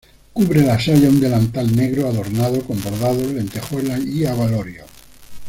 Cubre la saya un delantal negro adornado con bordados, lentejuelas y abalorios.